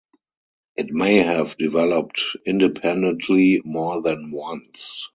It may have developed independently more than once.